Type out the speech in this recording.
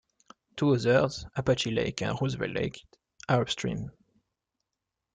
Two others, Apache Lake and Roosevelt Lake, are upstream.